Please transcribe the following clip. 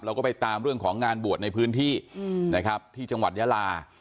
เราก็ไปตามเรื่องของงานบวชในพื้นที่นะครับที่จังหวัดยาลา